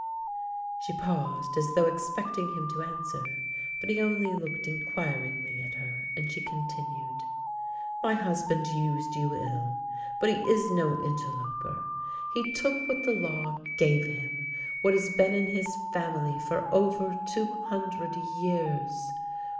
She paused, as though expecting him to answer, but he only looked inquiringly at her, and she continued: " My husband used you ill, but he is no interloper. He took what the law gave him, what has been in his family for over two hundred years.